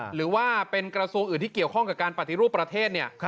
หรือว่าเป็นกระทรวงอื่นที่เกี่ยวข้องกับการปฏิรูปประเทศเนี่ย